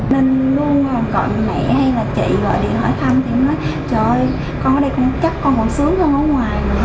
nên luôn còn mẹ hay là chị gọi điện hỏi thăm thì nói trời ơi con ở đây chắc con còn sướng hơn ở ngoài nữa